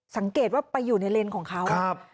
สังเกตว่าไปอยู่ในเลนส์ของเขา